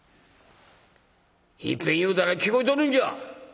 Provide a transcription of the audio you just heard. いっぺん言うたら聞こえとるんじゃ！